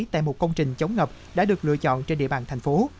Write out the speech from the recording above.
tại một công trình chống ngập đã được lựa chọn trên địa bàn thành phố